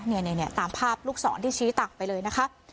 เนี่ยเนี่ยเนี่ยตามภาพลูกศรที่ชี้ตักไปเลยนะคะ